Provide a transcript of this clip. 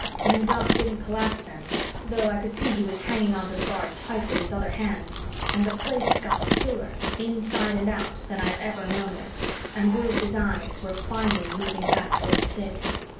And Doc didn't collapse then, though I could see he was hanging onto the bar tight with his other hand, and the Place got stiller, inside and out, than I've ever known it, and Bruce's eyes were finally moving back toward Sid.